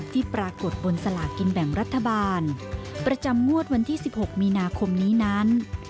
ที่ปรากฏบนสลากินแบ่งรัฐบาลประจำงวดวันที่๑๖มีนาคมนี้นั้น